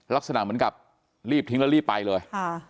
ลักษณะเหมือนกับรีบทิ้งแล้วรีบไปเลย